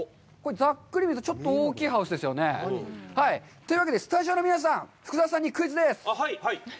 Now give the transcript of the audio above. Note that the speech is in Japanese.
ざっくり見ると、ちょっと大きいハウスですよね？というわけで、スタジオの皆さん、福澤さんにクイズです！